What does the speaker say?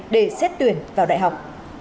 để xét tuyển vào đại học